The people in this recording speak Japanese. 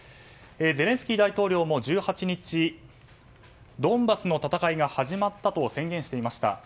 ゼレンスキー大統領も１８日ドンバスの戦いが始まったと宣言していました。